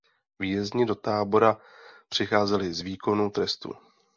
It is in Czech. Vězni do tábora přicházeli z výkonu trestu.